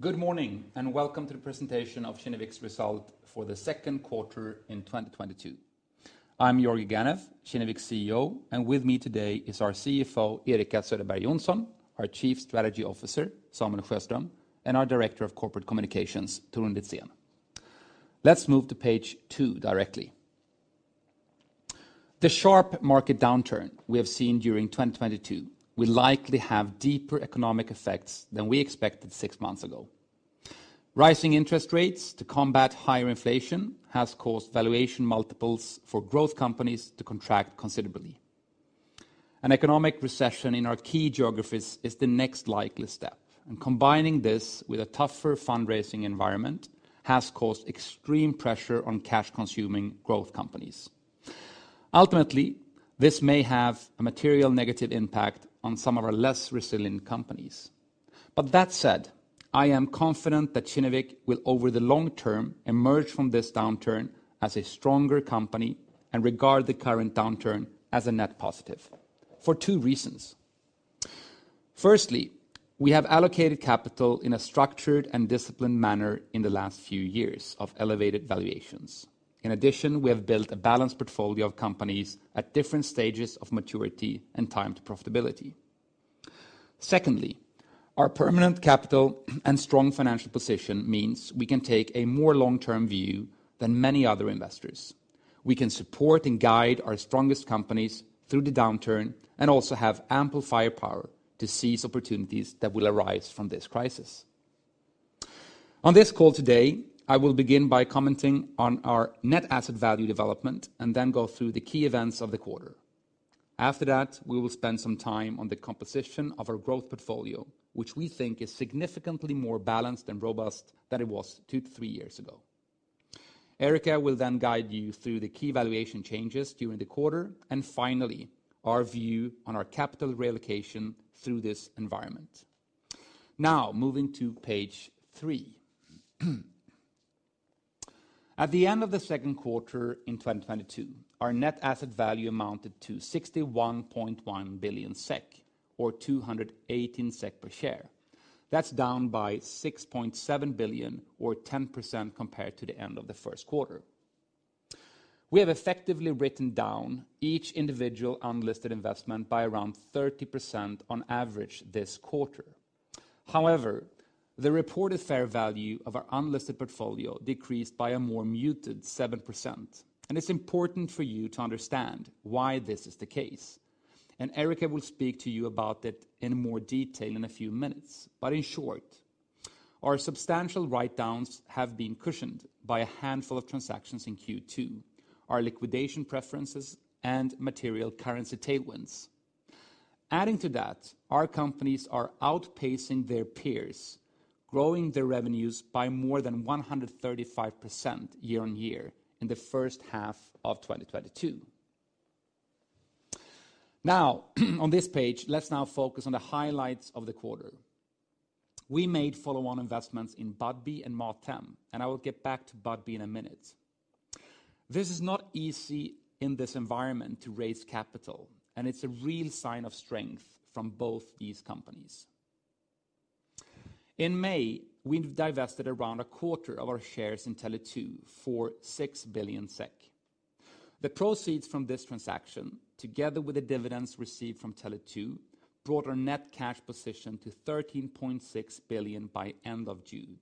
Good morning, and welcome to the presentation of Kinnevik's result for the second quarter in 2022. I'm Georgi Ganev, Kinnevik's CEO, and with me today is our CFO, Erika Söderberg Johnson, our Chief Strategy Officer, Samuel Sjöström, and our Director of Corporate Communications, Torun Litzén. Let's move to page two directly. The sharp market downturn we have seen during 2022 will likely have deeper economic effects than we expected six months ago. Rising interest rates to combat higher inflation has caused valuation multiples for growth companies to contract considerably. An economic recession in our key geographies is the next likely step, and combining this with a tougher fundraising environment has caused extreme pressure on cash consuming growth companies. Ultimately, this may have a material negative impact on some of our less resilient companies. That said, I am confident that Kinnevik will, over the long term, emerge from this downturn as a stronger company and regard the current downturn as a net positive for two reasons. Firstly, we have allocated capital in a structured and disciplined manner in the last few years of elevated valuations. In addition, we have built a balanced portfolio of companies at different stages of maturity and time to profitability. Secondly, our permanent capital and strong financial position means we can take a more long-term view than many other investors. We can support and guide our strongest companies through the downturn and also have ample firepower to seize opportunities that will arise from this crisis. On this call today, I will begin by commenting on our net asset value development and then go through the key events of the quarter. After that, we will spend some time on the composition of our growth portfolio, which we think is significantly more balanced and robust than it was two to three years ago. Erica will then guide you through the key valuation changes during the quarter, and finally, our view on our capital reallocation through this environment. Now, moving to page three. At the end of the second quarter in 2022, our net asset value amounted to 61.1 billion SEK, or 218 SEK per share. That's down by 6.7 billion or 10% compared to the end of the first quarter. We have effectively written down each individual unlisted investment by around 30% on average this quarter. However, the reported fair value of our unlisted portfolio decreased by a more muted 7%, and it's important for you to understand why this is the case. Erika will speak to you about it in more detail in a few minutes. In short, our substantial write-downs have been cushioned by a handful of transactions in Q2, our liquidation preferences, and material currency tailwinds. Adding to that, our companies are outpacing their peers, growing their revenues by more than 135% year-over-year in the first half of 2022. Now, on this page, let's now focus on the highlights of the quarter. We made follow-on investments in Budbee and Mathem, and I will get back to Budbee in a minute. This is not easy in this environment to raise capital, and it's a real sign of strength from both these companies. In May, we divested around a quarter of our shares in Tele2 for 6 billion SEK. The proceeds from this transaction, together with the dividends received from Tele2, brought our net cash position to 13.6 billion by end of June.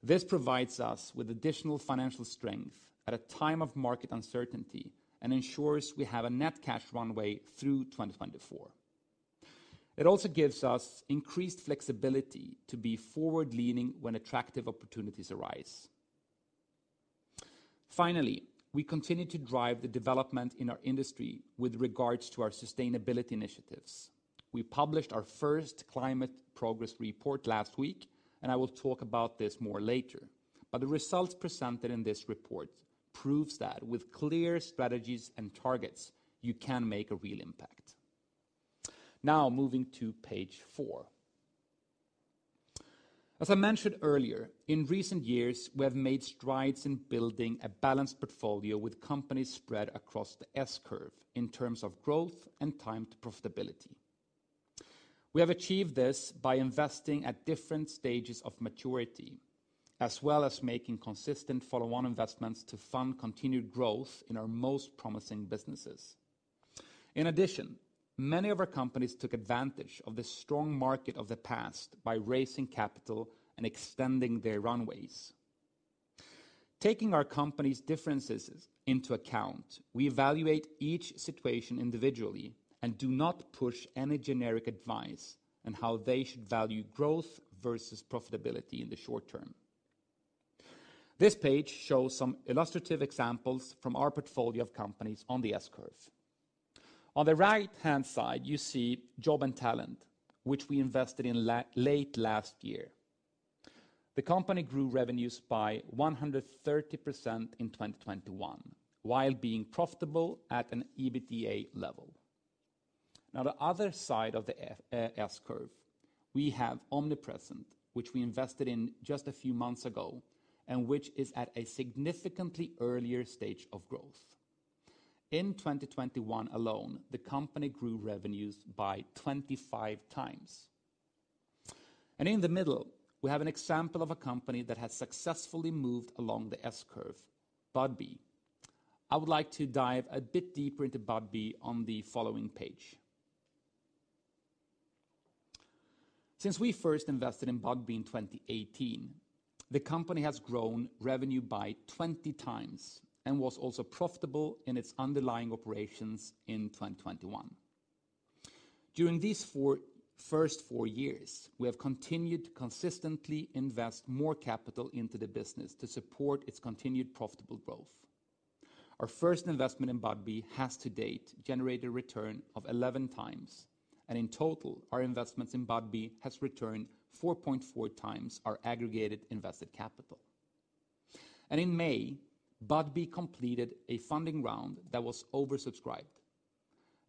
This provides us with additional financial strength at a time of market uncertainty and ensures we have a net cash runway through 2024. It also gives us increased flexibility to be forward-leaning when attractive opportunities arise. Finally, we continue to drive the development in our industry with regards to our sustainability initiatives. We published our first climate progress report last week, and I will talk about this more later. The results presented in this report proves that with clear strategies and targets, you can make a real impact. Now, moving to page four. As I mentioned earlier, in recent years, we have made strides in building a balanced portfolio with companies spread across the S-curve in terms of growth and time to profitability. We have achieved this by investing at different stages of maturity, as well as making consistent follow-on investments to fund continued growth in our most promising businesses. In addition, many of our companies took advantage of the strong market of the past by raising capital and extending their runways. Taking our company's differences into account, we evaluate each situation individually and do not push any generic advice on how they should value growth versus profitability in the short term. This page shows some illustrative examples from our portfolio of companies on the S-curve. On the right-hand side, you see Jobandtalent, which we invested in late last year. The company grew revenues by 130% in 2021 while being profitable at an EBITDA level. Now the other side of the S-curve, we have Omnipresent, which we invested in just a few months ago and which is at a significantly earlier stage of growth. In 2021 alone, the company grew revenues by 25x. In the middle, we have an example of a company that has successfully moved along the S-curve, Budbee. I would like to dive a bit deeper into Budbee on the following page. Since we first invested in Budbee in 2018, the company has grown revenue by 20x and was also profitable in its underlying operations in 2021. During these first four years, we have continued to consistently invest more capital into the business to support its continued profitable growth. Our first investment in Budbee has to date generated return of 11x, and in total, our investments in Budbee has returned 4.4x our aggregated invested capital. In May, Budbee completed a funding round that was oversubscribed.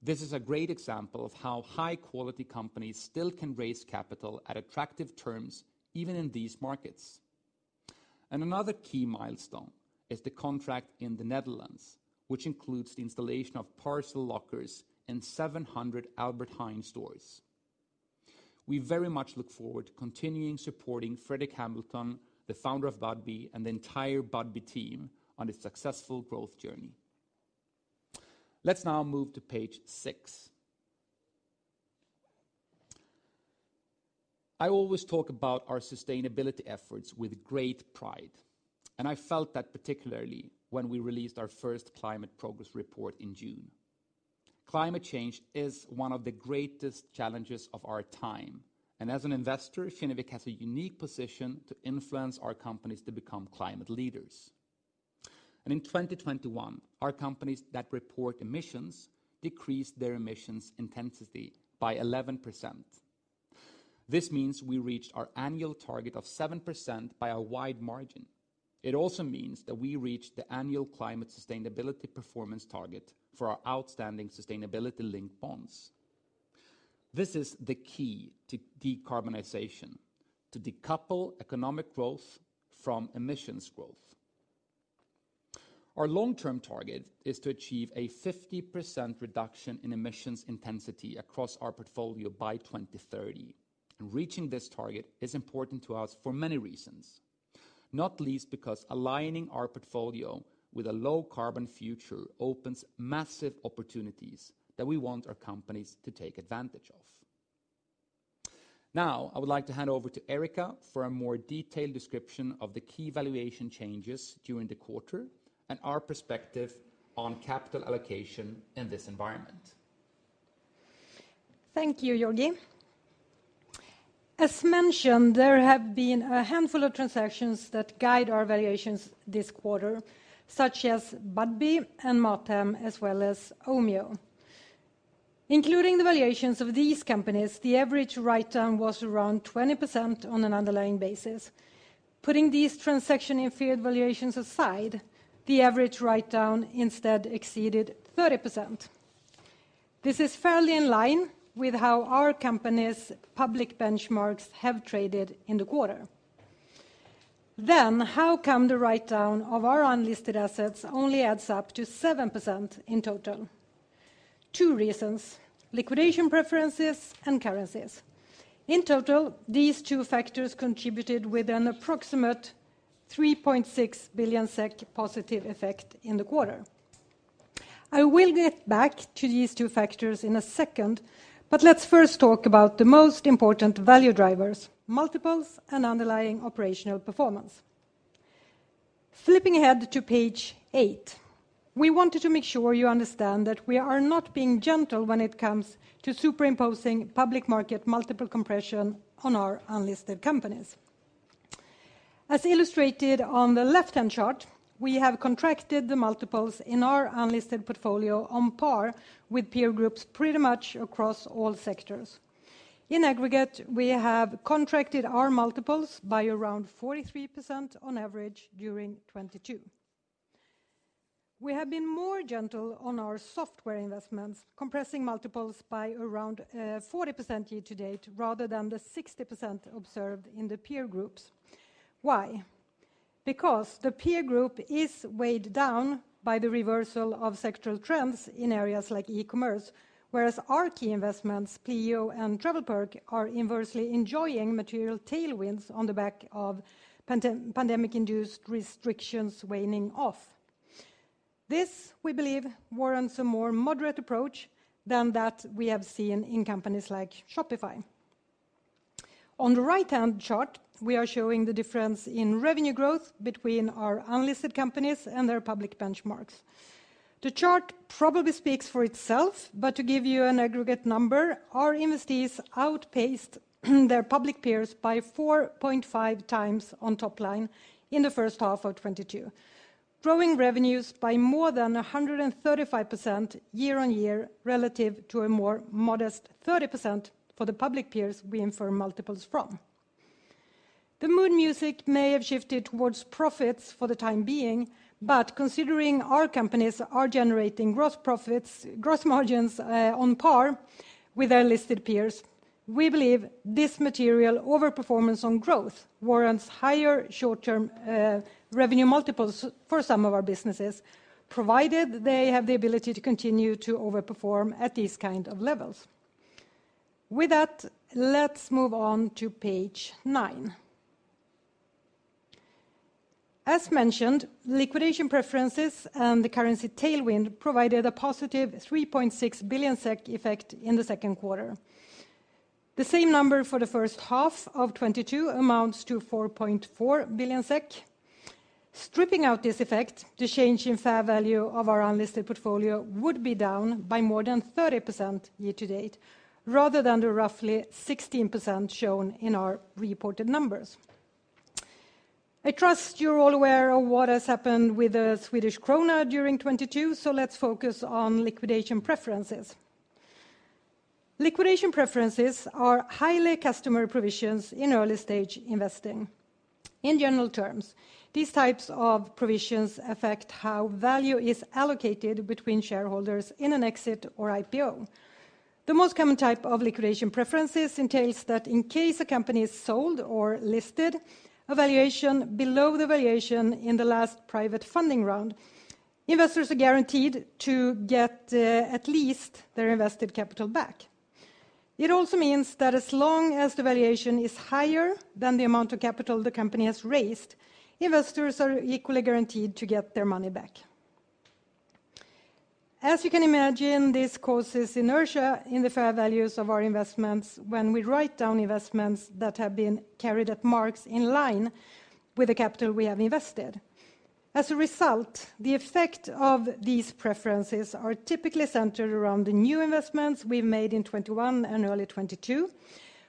This is a great example of how high quality companies still can raise capital at attractive terms even in these markets. Another key milestone is the contract in the Netherlands, which includes the installation of parcel lockers in 700 Albert Heijn stores. We very much look forward to continuing supporting Fredrik Hamilton, the founder of Budbee, and the entire Budbee team on its successful growth journey. Let's now move to page six. I always talk about our sustainability efforts with great pride, and I felt that particularly when we released our first climate progress report in June. Climate change is one of the greatest challenges of our time, and as an investor, Kinnevik has a unique position to influence our companies to become climate leaders. In 2021, our companies that report emissions decreased their emissions intensity by 11%. This means we reached our annual target of 7% by a wide margin. It also means that we reached the annual climate sustainability performance target for our outstanding sustainability linked bonds. This is the key to decarbonization, to decouple economic growth from emissions growth. Our long-term target is to achieve a 50% reduction in emissions intensity across our portfolio by 2030. Reaching this target is important to us for many reasons, not least because aligning our portfolio with a low carbon future opens massive opportunities that we want our companies to take advantage of. Now, I would like to hand over to Erika for a more detailed description of the key valuation changes during the quarter and our perspective on capital allocation in this environment. Thank you, Georgi. As mentioned, there have been a handful of transactions that guide our valuations this quarter, such as Budbee and Mathem, as well as Omio. Including the valuations of these companies, the average write-down was around 20% on an underlying basis. Putting these transactions-based valuations aside, the average write-down instead exceeded 30%. This is fairly in line with how our company's public benchmarks have traded in the quarter. How come the write-down of our unlisted assets only adds up to 7% in total? Two reasons, liquidation preferences and currencies. In total, these two factors contributed with an approximate 3.6 billion SEK positive effect in the quarter. I will get back to these two factors in a second, but let's first talk about the most important value drivers, multiples and underlying operational performance. Flipping ahead to page eight, we wanted to make sure you understand that we are not being gentle when it comes to superimposing public market multiple compression on our unlisted companies. As illustrated on the left-hand chart, we have contracted the multiples in our unlisted portfolio on par with peer groups pretty much across all sectors. In aggregate, we have contracted our multiples by around 43% on average during 2022. We have been more gentle on our software investments, compressing multiples by around 40% year to date rather than the 60% observed in the peer groups. Why? Because the peer group is weighed down by the reversal of sectoral trends in areas like e-commerce, whereas our key investments, Pleo and TravelPerk, are inversely enjoying material tailwinds on the back of pandemic-induced restrictions waning off. This, we believe, warrants a more moderate approach than that we have seen in companies like Shopify. On the right-hand chart, we are showing the difference in revenue growth between our unlisted companies and their public benchmarks. The chart probably speaks for itself, but to give you an aggregate number, our investees outpaced their public peers by 4.5x on top line in the first half of 2022, growing revenues by more than 135% year on year relative to a more modest 30% for the public peers we infer multiples from. The mood music may have shifted towards profits for the time being, but considering our companies are generating growth margins on par with their listed peers. We believe this material over performance on growth warrants higher short-term revenue multiples for some of our businesses, provided they have the ability to continue to over perform at these kind of levels. With that, let's move on to page nine. As mentioned, liquidation preferences and the currency tailwind provided a positive 3.6 billion SEK effect in the second quarter. The same number for the first half of 2022 amounts to 4.4 billion SEK. Stripping out this effect, the change in fair value of our unlisted portfolio would be down by more than 30% year to date, rather than the roughly 16% shown in our reported numbers. I trust you're all aware of what has happened with the Swedish krona during 2022. Let's focus on liquidation preferences. Liquidation preferences are highly customary provisions in early-stage investing. In general terms, these types of provisions affect how value is allocated between shareholders in an exit or IPO. The most common type of liquidation preferences entails that in case a company is sold or listed, a valuation below the valuation in the last private funding round, investors are guaranteed to get at least their invested capital back. It also means that as long as the valuation is higher than the amount of capital the company has raised, investors are equally guaranteed to get their money back. As you can imagine, this causes inertia in the fair values of our investments when we write down investments that have been carried at marks in line with the capital we have invested. As a result, the effect of these preferences are typically centered around the new investments we made in 2021 and early 2022,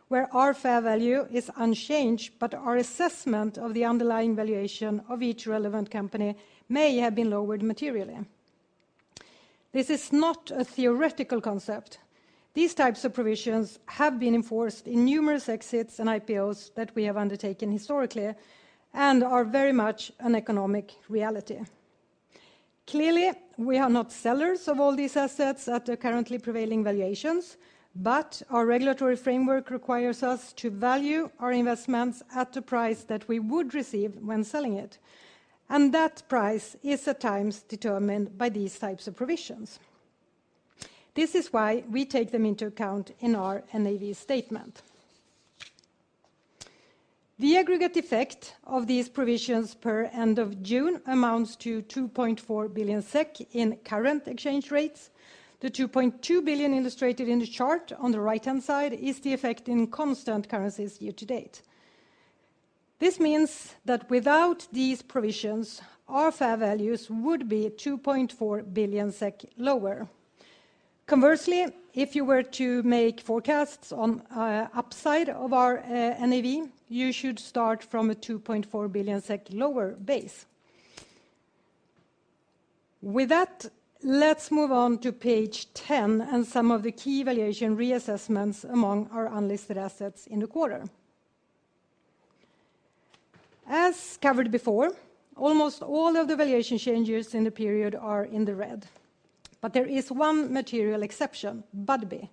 where our fair value is unchanged, but our assessment of the underlying valuation of each relevant company may have been lowered materially. This is not a theoretical concept. These types of provisions have been enforced in numerous exits and IPOs that we have undertaken historically and are very much an economic reality. Clearly, we are not sellers of all these assets at the currently prevailing valuations, but our regulatory framework requires us to value our investments at the price that we would receive when selling it, and that price is at times determined by these types of provisions. This is why we take them into account in our NAV statement. The aggregate effect of these provisions per end of June amounts to 2.4 billion SEK in current exchange rates. The 2.2 billion illustrated in the chart on the right-hand side is the effect in constant currencies year to date. This means that without these provisions, our fair values would be 2.4 billion SEK lower. Conversely, if you were to make forecasts on upside of our NAV, you should start from a 2.4 billion SEK lower base. With that, let's move on to page 10 and some of the key valuation reassessments among our unlisted assets in the quarter. As covered before, almost all of the valuation changes in the period are in the red. There is one material exception, Budbee.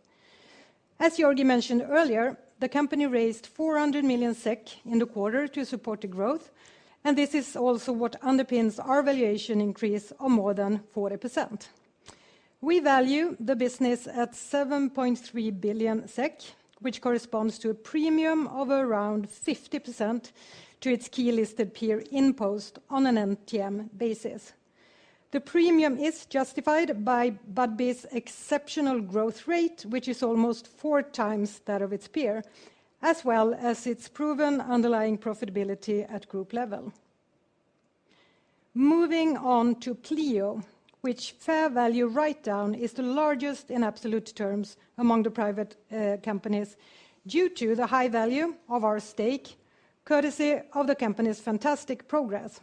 As Georgi mentioned earlier, the company raised 400 million SEK in the quarter to support the growth, and this is also what underpins our valuation increase of more than 40%. We value the business at 7.3 billion SEK, which corresponds to a premium of around 50% to its key listed peer InPost on an NTM basis. The premium is justified by Budbee's exceptional growth rate, which is almost 4x that of its peer, as well as its proven underlying profitability at group level. Moving on to Pleo, which fair value write-down is the largest in absolute terms among the private companies due to the high value of our stake, courtesy of the company's fantastic progress.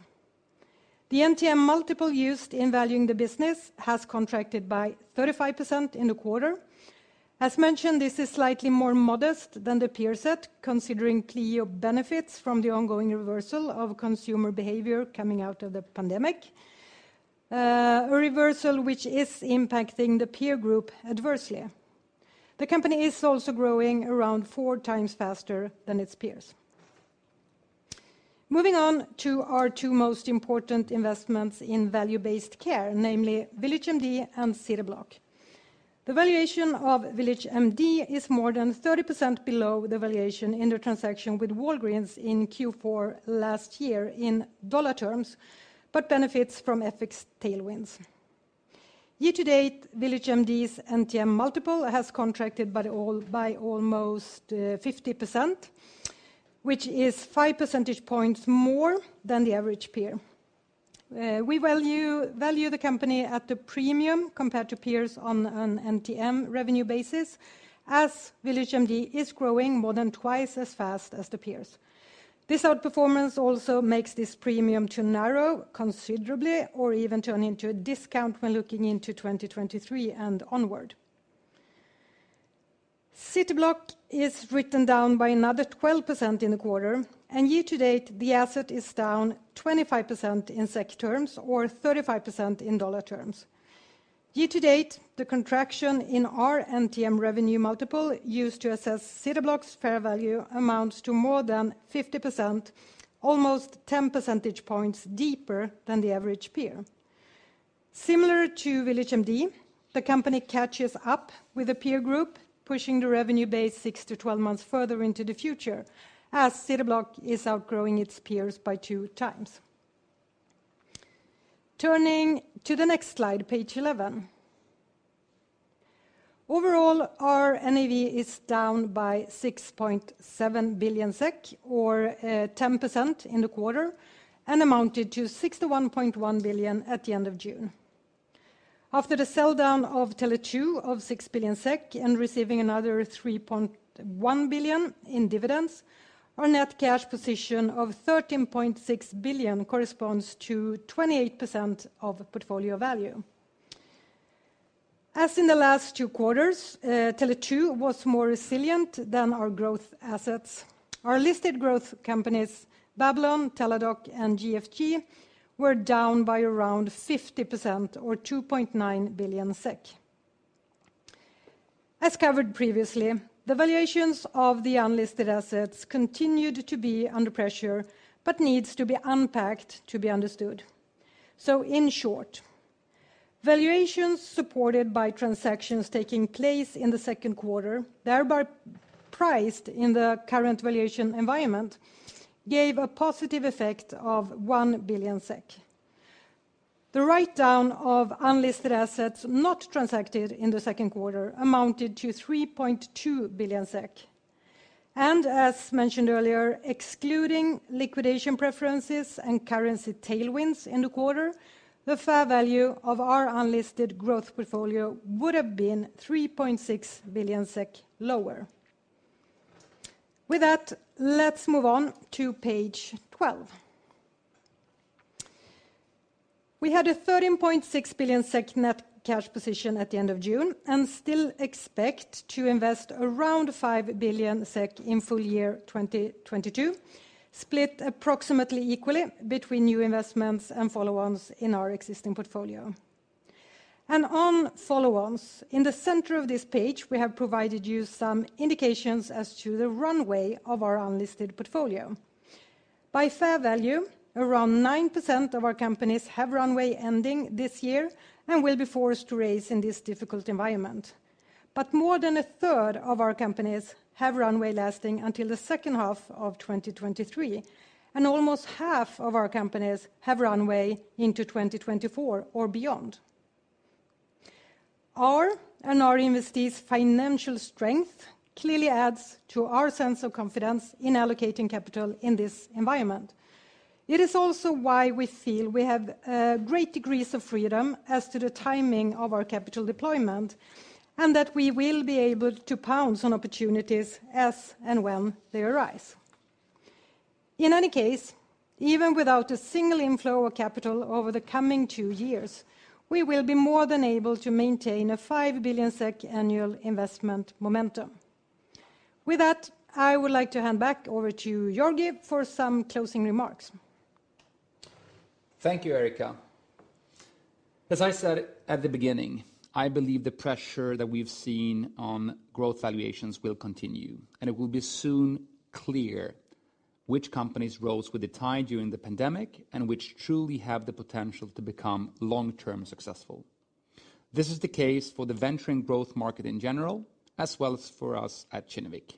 The NTM multiple used in valuing the business has contracted by 35% in the quarter. As mentioned, this is slightly more modest than the peer set, considering Pleo benefits from the ongoing reversal of consumer behavior coming out of the pandemic, a reversal which is impacting the peer group adversely. The company is also growing around 4x faster than its peers. Moving on to our two most important investments in value-based care, namely VillageMD and Cityblock. The valuation of VillageMD is more than 30% below the valuation in the transaction with Walgreens in Q4 last year in dollar terms, but benefits from FX tailwinds. Year to date, VillageMD's NTM multiple has contracted by almost 50%, which is 5 percentage points more than the average peer. We value the company at a premium compared to peers on an NTM revenue basis as VillageMD is growing more than twice as fast as the peers. This outperformance also makes this premium to narrow considerably or even turn into a discount when looking into 2023 and onward. Cityblock is written down by another 12% in the quarter, and year to date, the asset is down 25% in SEK terms or 35% in dollar terms. Year to date, the contraction in our NTM revenue multiple used to assess Cityblock's fair value amounts to more than 50%, almost 10 percentage points deeper than the average peer. Similar to VillageMD, the company catches up with a peer group pushing the revenue base 6-12 months further into the future as Cityblock is outgrowing its peers by 2x. Turning to the next slide, page 11. Overall, our NAV is down by 6.7 billion SEK, or ten percent in the quarter, and amounted to 61.1 billion at the end of June. After the sell-down of Tele2 of 6 billion SEK and receiving another 3.1 billion in dividends, our net cash position of 13.6 billion corresponds to 28% of portfolio value. As in the last two quarters, Tele2 was more resilient than our growth assets. Our listed growth companies Babylon, Teladoc, and GFG were down by around 50% or 2.9 billion SEK. As covered previously, the valuations of the unlisted assets continued to be under pressure, but needs to be unpacked to be understood. In short, valuations supported by transactions taking place in the second quarter, thereby priced in the current valuation environment, gave a positive effect of 1 billion SEK. The write-down of unlisted assets not transacted in the second quarter amounted to 3.2 billion SEK. As mentioned earlier, excluding liquidation preferences and currency tailwinds in the quarter, the fair value of our unlisted growth portfolio would have been 3.6 billion SEK lower. With that, let's move on to page 12. We had a 13.6 billion SEK net cash position at the end of June and still expect to invest around 5 billion SEK in full year 2022, split approximately equally between new investments and follow-ons in our existing portfolio. On follow-ons, in the center of this page, we have provided you some indications as to the runway of our unlisted portfolio. By fair value, around 9% of our companies have runway ending this year and will be forced to raise in this difficult environment. More than a third of our companies have runway lasting until the second half of 2023, and almost half of our companies have runway into 2024 or beyond. Our, and our investees' financial strength clearly adds to our sense of confidence in allocating capital in this environment. It is also why we feel we have great degrees of freedom as to the timing of our capital deployment, and that we will be able to pounce on opportunities as and when they arise. In any case, even without a single inflow of capital over the coming two years, we will be more than able to maintain a 5 billion SEK annual investment momentum. With that, I would like to hand back over to Georgi for some closing remarks. Thank you, Erika. As I said at the beginning, I believe the pressure that we've seen on growth valuations will continue, and it will be soon clear which companies rose with the tide during the pandemic and which truly have the potential to become long-term successful. This is the case for the venture growth market in general, as well as for us at Kinnevik.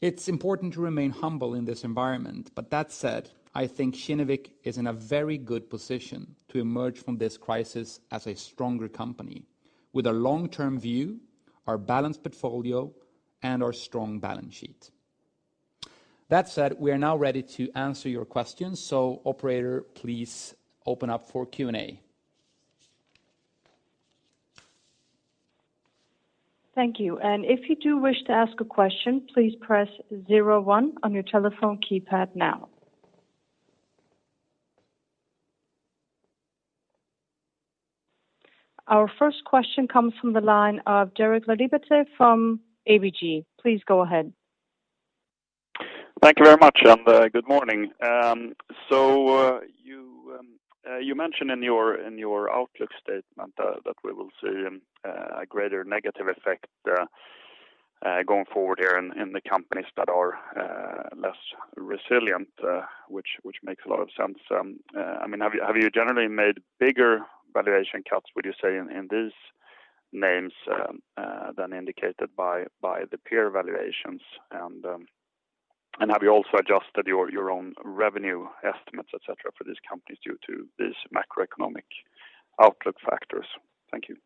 It's important to remain humble in this environment. That said, I think Kinnevik is in a very good position to emerge from this crisis as a stronger company with a long-term view, our balanced portfolio, and our strong balance sheet. That said, we are now ready to answer your questions. Operator, please open up for Q&A. Thank you. If you do wish to ask a question, please press zero one on your telephone keypad now. Our first question comes from the line of Derek Laliberte from ABG. Please go ahead. Thank you very much and good morning. You mentioned in your outlook statement that we will see a greater negative effect going forward here in the companies that are less resilient, which makes a lot of sense. I mean, have you generally made bigger valuation cuts, would you say in these names than indicated by the peer valuations? Have you also adjusted your own revenue estimates, et cetera, for these companies due to these macroeconomic outlook factors? Thank you.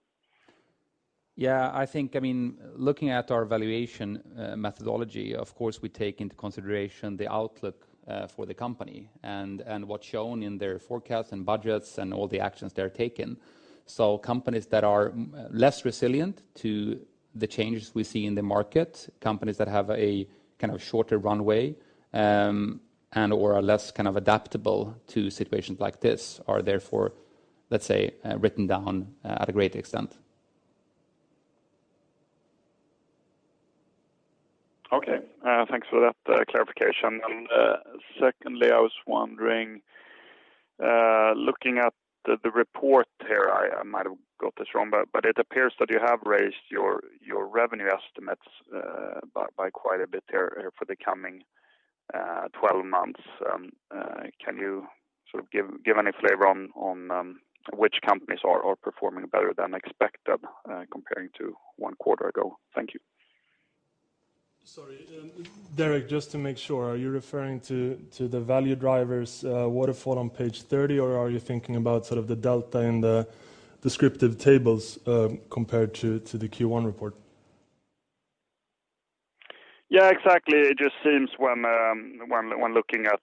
Yeah, I think, I mean, looking at our valuation methodology, of course, we take into consideration the outlook for the company and what's shown in their forecasts and budgets and all the actions they're taking. Companies that are less resilient to the changes we see in the market, companies that have a kind of shorter runway, and or are less kind of adaptable to situations like this are therefore, let's say, written down at a greater extent. Okay. Thanks for that clarification. Secondly, I was wondering, looking at the report here, I might have got this wrong, but it appears that you have raised your revenue estimates by quite a bit here for the coming twelve months. Can you sort of give any flavor on which companies are performing better than expected, comparing to one quarter ago? Thank you. Sorry. Derek, just to make sure, are you referring to the value drivers, waterfall on page 30, or are you thinking about sort of the delta in the descriptive tables, compared to the Q1 report? Yeah, exactly. It just seems when looking at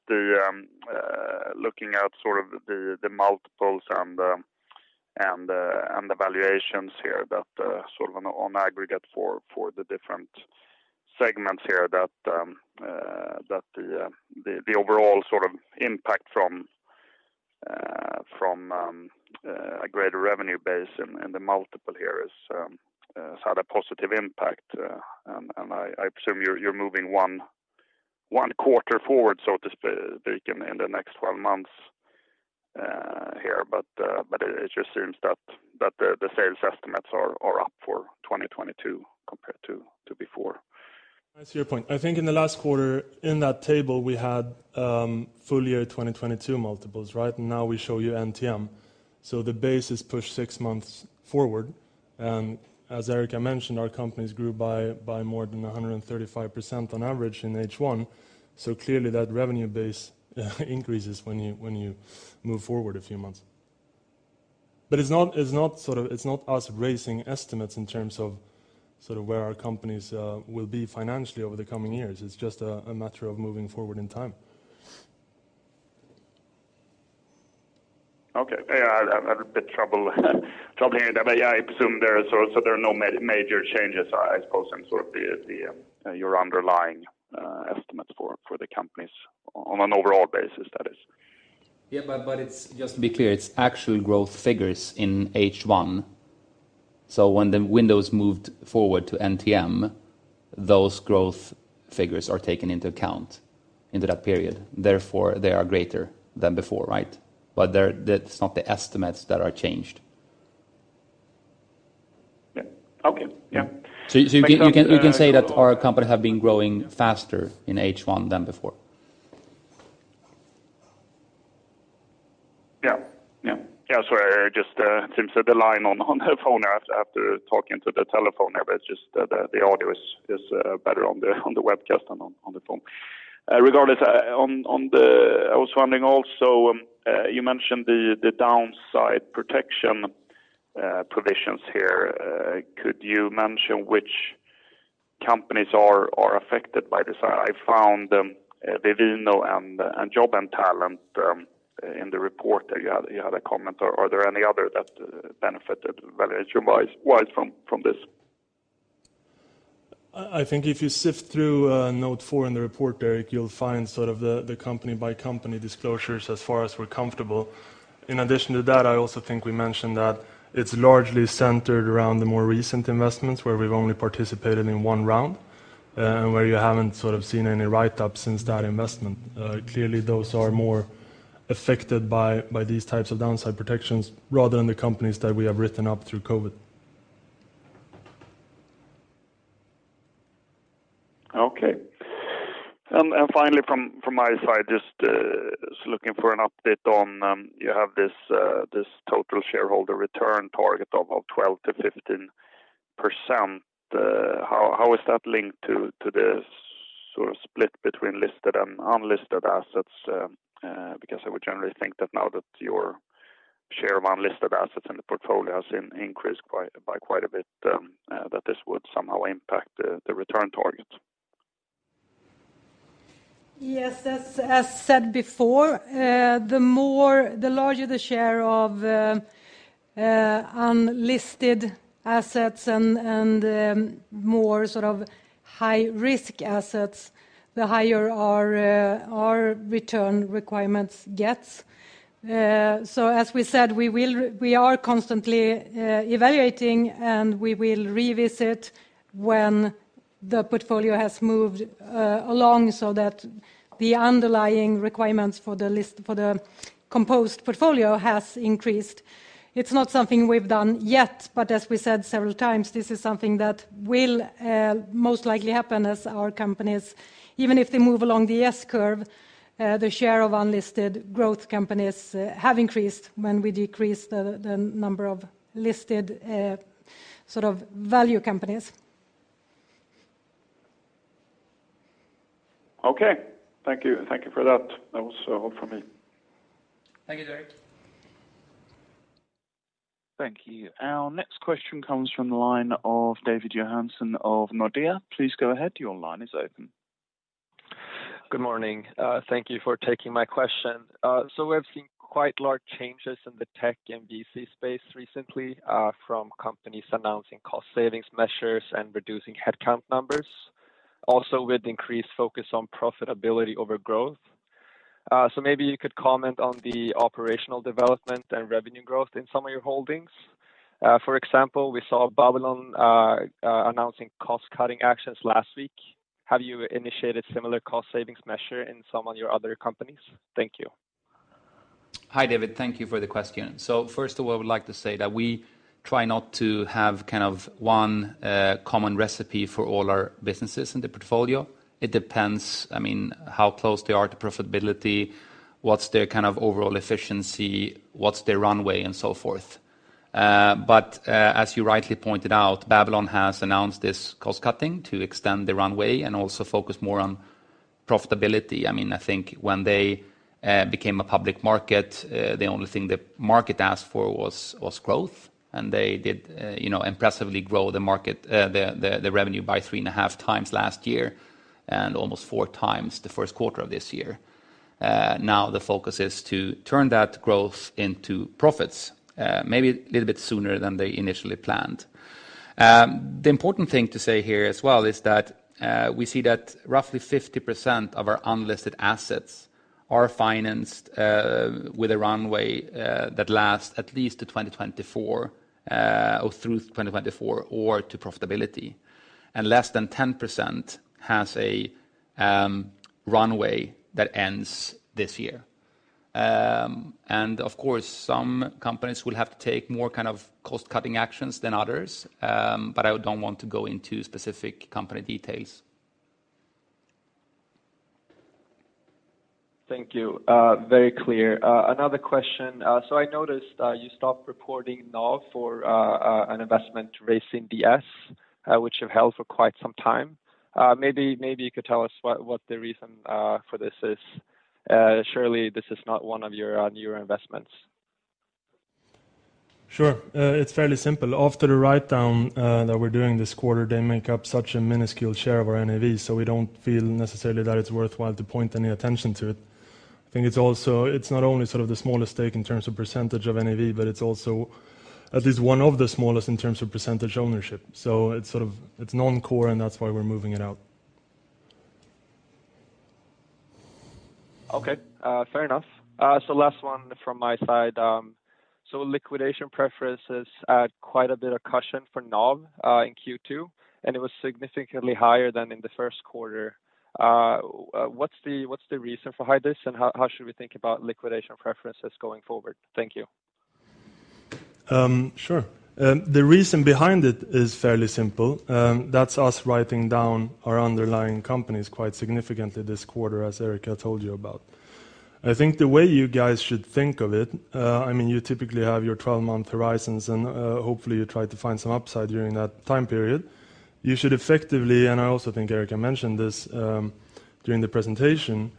sort of the multiples and the valuations here that sort of on aggregate for the different segments here that the overall sort of impact from a greater revenue base and the multiple here has had a positive impact. I assume you're moving one quarter forward, so to speak, in the next 12 months here. It just seems that the sales estimates are up for 2022 compared to before. I see your point. I think in the last quarter in that table, we had full year 2022 multiples, right? Now we show you NTM. The base is pushed six months forward. As Erica mentioned, our companies grew by more than 135% on average in H1. Clearly that revenue base increases when you move forward a few months. It's not us raising estimates in terms of sort of where our companies will be financially over the coming years. It's just a matter of moving forward in time. Okay. Yeah, I had a bit of trouble, but yeah, I assume there are no major changes, I suppose, in sort of your underlying estimates for the companies on an overall basis, that is. Yeah. Just to be clear, it's actual growth figures in H1. When the windows moved forward to NTM, those growth figures are taken into account into that period. Therefore, they are greater than before, right? They're, that's not the estimates that are changed. You can say that our company have been growing faster in H1 than before. Yeah, sorry. Just seems that the line on the phone after talking to the telephone, but it's just the audio is better on the webcast than on the phone. Regardless, I was wondering also, you mentioned the downside protection provisions here. Could you mention which companies are affected by this? I found Vivino and Jobandtalent in the report you had a comment. Are there any other that benefited valuation-wise from this? I think if you sift through note four in the report, Derek, you'll find sort of the company by company disclosures as far as we're comfortable. In addition to that, I also think we mentioned that it's largely centered around the more recent investments where we've only participated in one round, and where you haven't sort of seen any write up since that investment. Clearly, those are more affected by these types of downside protections rather than the companies that we have written up through COVID. Finally from my side, just looking for an update on you have this total shareholder return target of 12%-15%. How is that linked to the sort of split between listed and unlisted assets? Because I would generally think that now that your share of unlisted assets in the portfolio has increased by quite a bit, that this would somehow impact the return target. Yes. As said before, the larger the share of unlisted assets and more sort of high-risk assets, the higher our return requirements gets. So as we said, we are constantly evaluating, and we will revisit when the portfolio has moved along so that the underlying requirements for the composed portfolio has increased. It's not something we've done yet, but as we said several times, this is something that will most likely happen as our companies, even if they move along the S-curve, the share of unlisted growth companies have increased when we decrease the number of listed sort of value companies. Okay. Thank you. Thank you for that. That was all for me. Thank you, Derek. Thank you. Our next question comes from the line of David Johansson of Nordea. Please go ahead. Your line is open. Good morning. Thank you for taking my question. We have seen quite large changes in the tech and VC space recently, from companies announcing cost savings measures and reducing headcount numbers. Also, with increased focus on profitability over growth, maybe you could comment on the operational development and revenue growth in some of your holdings. For example, we saw Babylon announcing cost-cutting actions last week. Have you initiated similar cost savings measure in some of your other companies? Thank you. Hi, David. Thank you for the question. First of all, I would like to say that we try not to have kind of one, common recipe for all our businesses in the portfolio. It depends, I mean, how close they are to profitability, what's their kind of overall efficiency, what's their runway, and so forth. As you rightly pointed out, Babylon has announced this cost-cutting to extend the runway and also focus more on profitability. I mean, I think when they went public, the only thing the market asked for was growth, and they did, you know, impressively grow the revenue by 3.5x last year and almost 4x the first quarter of this year. Now the focus is to turn that growth into profits, maybe a little bit sooner than they initially planned. The important thing to say here as well is that, we see that roughly 50% of our unlisted assets are financed, with a runway, that lasts at least to 2024, or through 2024 or to profitability, and less than 10% has a, runway that ends this year. Of course, some companies will have to take more kind of cost-cutting actions than others, but I don't want to go into specific company details. Thank you. Very clear. Another question. I noticed you stopped reporting NAV for an investment raised in BS, which you've held for quite some time. Maybe you could tell us what the reason for this is. Surely this is not one of your newer investments. Sure. It's fairly simple. After the write-down that we're doing this quarter, they make up such a minuscule share of our NAVs, so we don't feel necessarily that it's worthwhile to point any attention to it. I think it's also. It's not only sort of the smallest stake in terms of percentage of NAV, but it's also at least one of the smallest in terms of percentage ownership. It's sort of, it's non-core, and that's why we're moving it out. Okay, fair enough. Last one from my side. Liquidation preferences add quite a bit of cushion for NAV in Q2, and it was significantly higher than in the first quarter. What's the reason for this high, and how should we think about liquidation preferences going forward? Thank you. Sure. The reason behind it is fairly simple. That's us writing down our underlying companies quite significantly this quarter, as Erika told you about. I think the way you guys should think of it, I mean, you typically have your 12-month horizons and, hopefully you try to find some upside during that time period. You should effectively, and I also think Erika mentioned this, during the presentation,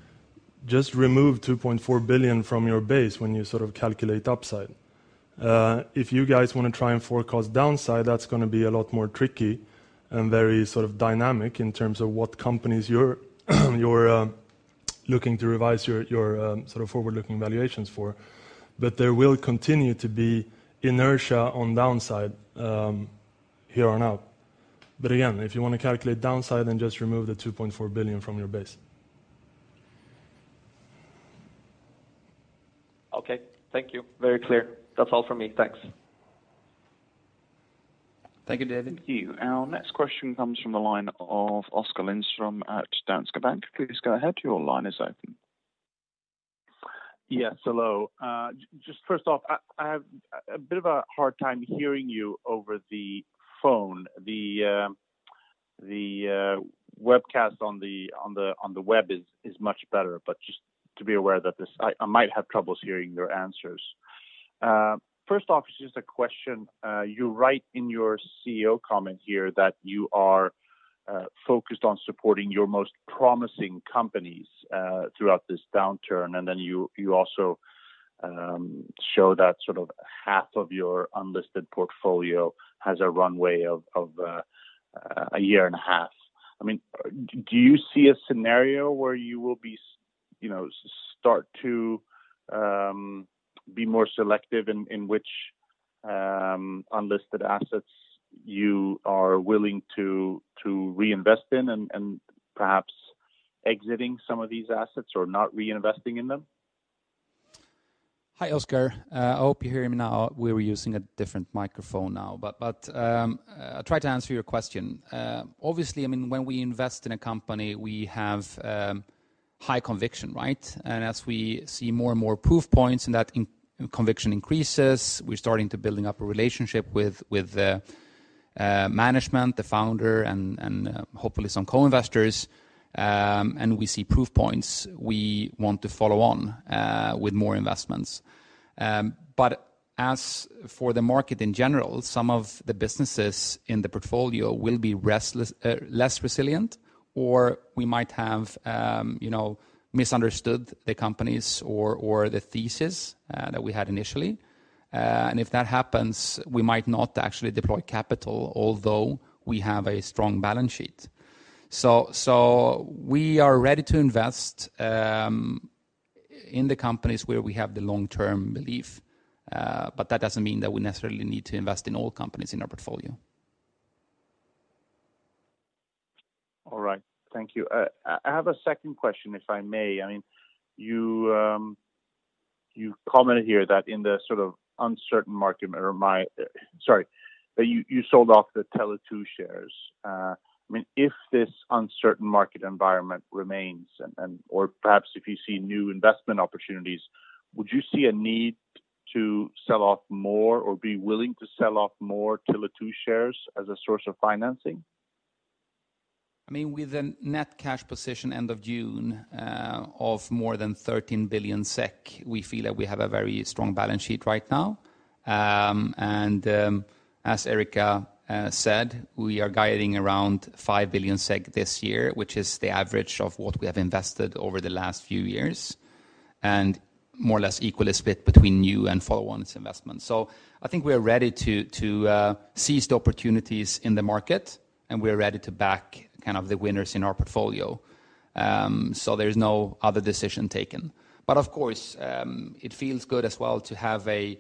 just remove 2.4 billion from your base when you sort of calculate upside. If you guys wanna try and forecast downside, that's gonna be a lot more tricky and very sort of dynamic in terms of what companies you're looking to revise your sort of forward-looking valuations for. There will continue to be inertia on downside, here on out. Again, if you wanna calculate downside, then just remove the 2.4 billion from your base. Okay. Thank you. Very clear. That's all for me. Thanks. Thank you, David. Thank you. Our next question comes from the line of Oskar Lindström at Danske Bank. Please go ahead. Your line is open. Yes, hello. Just first off, I have a bit of a hard time hearing you over the phone. The webcast on the web is much better, but just to be aware that I might have troubles hearing your answers. First off, just a question. You write in your CEO comment here that you are focused on supporting your most promising companies throughout this downturn, and then you also show that sort of half of your unlisted portfolio has a runway of a year and a half. I mean, do you see a scenario where you will be, you know, start to be more selective in which unlisted assets you are willing to reinvest in and perhaps exiting some of these assets or not reinvesting in them? Hi, Oskar. I hope you hear me now. We're using a different microphone now. I'll try to answer your question. Obviously, I mean, when we invest in a company, we have high conviction, right? As we see more and more proof points and that our conviction increases, we're starting to building up a relationship with management, the founder and hopefully some co-investors, and we see proof points we want to follow on with more investments. As for the market in general, some of the businesses in the portfolio will be less resilient, or we might have you know, misunderstood the companies or the thesis that we had initially. If that happens, we might not actually deploy capital, although we have a strong balance sheet. We are ready to invest in the companies where we have the long-term belief, but that doesn't mean that we necessarily need to invest in all companies in our portfolio. All right. Thank you. I have a second question, if I may. I mean, you commented here that in the sort of uncertain market that you sold off the Tele2 shares. I mean, if this uncertain market environment remains, or perhaps if you see new investment opportunities, would you see a need to sell off more or be willing to sell off more Tele2 shares as a source of financing? I mean, with a net cash position end of June of more than 13 billion SEK, we feel that we have a very strong balance sheet right now. As Erika said, we are guiding around 5 billion this year, which is the average of what we have invested over the last few years, and more or less equal is split between new and follow-on investments. I think we are ready to seize the opportunities in the market, and we are ready to back kind of the winners in our portfolio. There is no other decision taken. Of course, it feels good as well to have a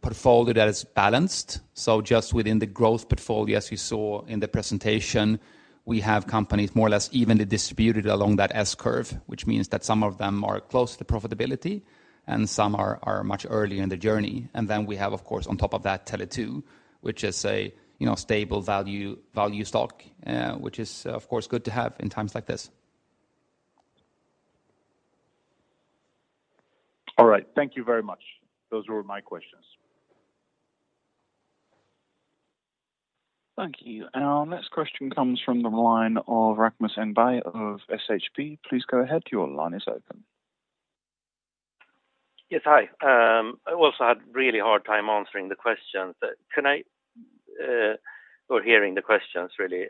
portfolio that is balanced. Just within the growth portfolio, as you saw in the presentation, we have companies more or less evenly distributed along that S-curve, which means that some of them are close to profitability and some are much earlier in the journey. Then we have, of course, on top of that, Tele2, which is a, you know, stable value stock, which is of course good to have in times like this. All right. Thank you very much. Those were my questions. Thank you. Our next question comes from the line of Rasmus Engberg of SHB. Please go ahead. Your line is open. Yes. Hi. I also had a really hard time answering or hearing the questions, really.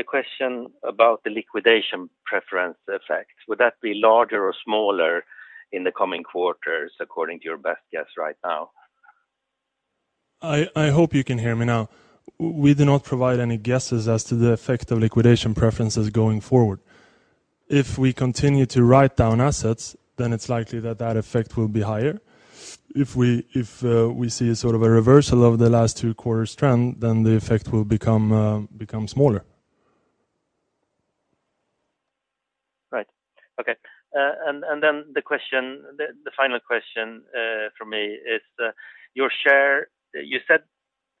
The question about the liquidation preference effect, would that be larger or smaller in the coming quarters according to your best guess right now? I hope you can hear me now. We do not provide any guesses as to the effect of liquidation preferences going forward. If we continue to write down assets, then it's likely that effect will be higher. If we see sort of a reversal of the last two quarters trend, then the effect will become smaller. Right. Okay, and then the question, the final question from me is your share. You said,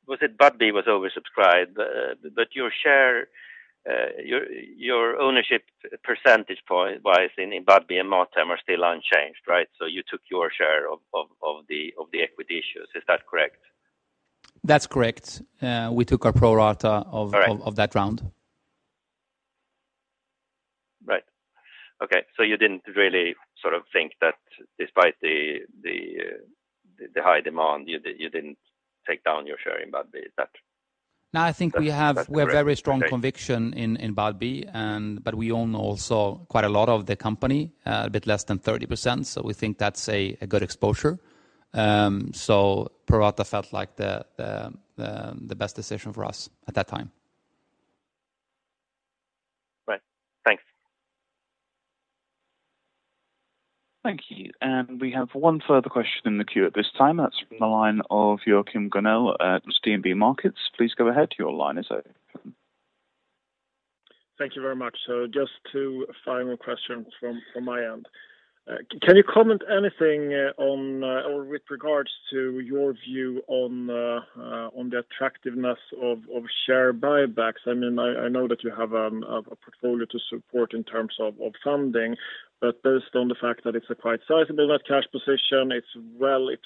was it Budbee was oversubscribed, but your share, your ownership percentage point was in Budbee and Mathem are still unchanged, right? You took your share of the equity issues. Is that correct? That's correct. We took our pro rata of- Right. Of that round. Right. Okay. You didn't really sort of think that despite the high demand, you didn't take down your share in Budbee, is that? No, I think we have. That's correct. Okay. We have very strong conviction in Budbee. We own also quite a lot of the company, a bit less than 30%, so we think that's a good exposure. Pro rata felt like the best decision for us at that time. Right. Thanks. Thank you. We have one further question in the queue at this time. That's from the line of Joachim Gunell at DNB Markets. Please go ahead. Your line is open. Thank you very much. Just two final questions from my end. Can you comment anything on or with regards to your view on the attractiveness of share buybacks? I mean, I know that you have a portfolio to support in terms of funding, but based on the fact that it's a quite sizable net cash position, it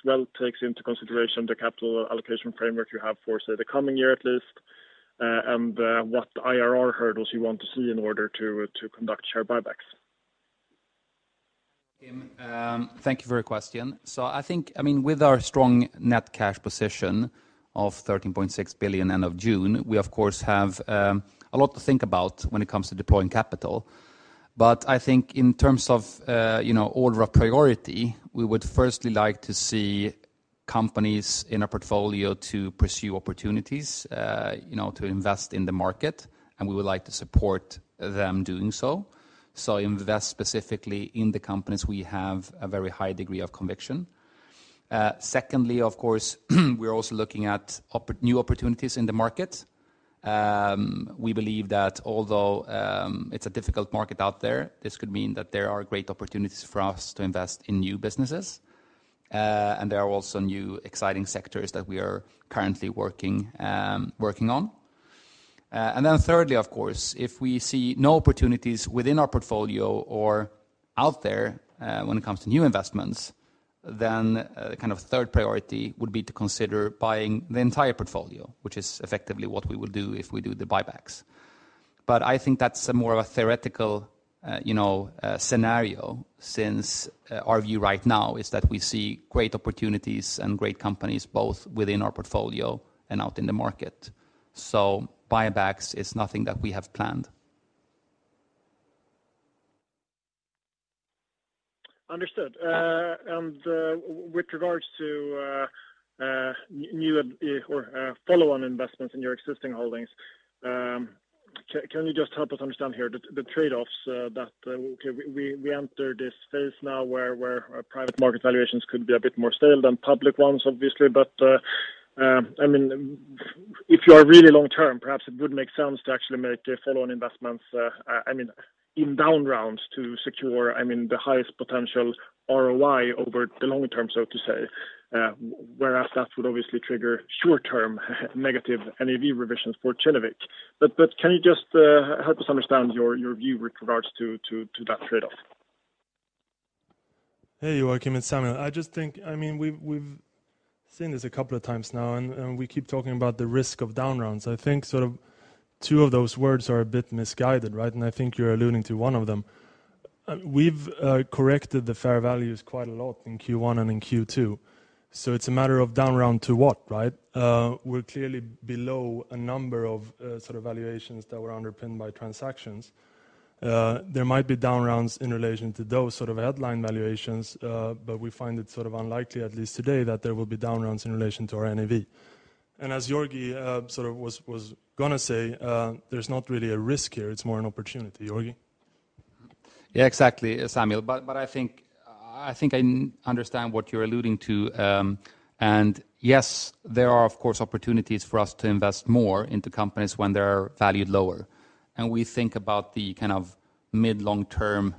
well takes into consideration the capital allocation framework you have for, say, the coming year at least, and what IRR hurdles you want to see in order to conduct share buybacks. Joakim, thank you for your question. I think, I mean, with our strong net cash position of 13.6 billion end of June, we of course have a lot to think about when it comes to deploying capital. I think in terms of, you know, order of priority, we would firstly like to see companies in our portfolio to pursue opportunities, you know, to invest in the market, and we would like to support them doing so. Invest specifically in the companies we have a very high degree of conviction. Secondly, of course, we're also looking at new opportunities in the market. We believe that although it's a difficult market out there, this could mean that there are great opportunities for us to invest in new businesses, and there are also new exciting sectors that we are currently working on. Thirdly, of course, if we see no opportunities within our portfolio or out there when it comes to new investments, then kind of third priority would be to consider buying the entire portfolio, which is effectively what we would do if we do the buybacks. I think that's more of a theoretical you know scenario since our view right now is that we see great opportunities and great companies both within our portfolio and out in the market. Buybacks is nothing that we have planned. Understood. With regards to new or follow-on investments in your existing holdings, can you just help us understand here the trade-offs that we entered this phase now where private market valuations could be a bit more stale than public ones, obviously. I mean, if you are really long term, perhaps it would make sense to actually make follow-on investments, I mean, in down rounds to secure the highest potential ROI over the long term, so to say, whereas that would obviously trigger short-term negative NAV revisions for Kinnevik. Can you just help us understand your view with regards to that trade-off? Hey, Joachim, it's Samuel. I just think I mean, we've seen this a couple of times now and we keep talking about the risk of down rounds. I think sort of two of those words are a bit misguided, right? I think you're alluding to one of them. We've corrected the fair values quite a lot in Q1 and in Q2, so it's a matter of down round to what, right? We're clearly below a number of sort of valuations that were underpinned by transactions. There might be down rounds in relation to those sort of headline valuations, but we find it sort of unlikely, at least today, that there will be down rounds in relation to our NAV. As Georgi sort of was gonna say, there's not really a risk here, it's more an opportunity. Georgi? Yeah, exactly, Samuel. I think I understand what you're alluding to. Yes, there are of course opportunities for us to invest more into companies when they're valued lower. We think about the kind of mid long term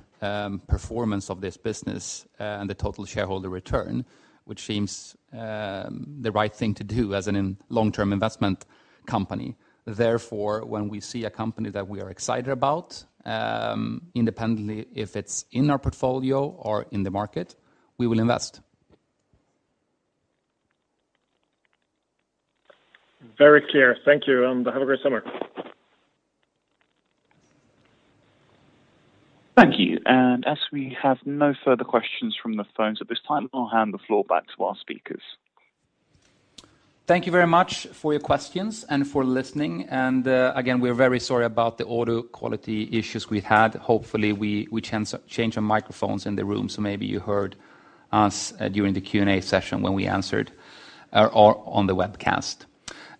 performance of this business and the total shareholder return, which seems the right thing to do as a long-term investment company. Therefore, when we see a company that we are excited about, independently, if it's in our portfolio or in the market, we will invest. Very clear. Thank you, and have a great summer. Thank you. As we have no further questions from the phones at this time, I'll hand the floor back to our speakers. Thank you very much for your questions and for listening. Again, we're very sorry about the audio quality issues we had. Hopefully we changed our microphones in the room, so maybe you heard us during the Q&A session when we answered or on the webcast.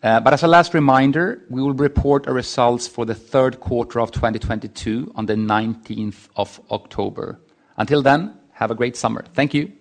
But as a last reminder, we will report our results for the third quarter of 2022 on October. Until then, have a great summer. Thank you.